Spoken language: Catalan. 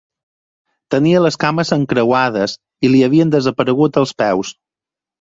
Tenia les cames encreuades i li havien desaparegut els peus.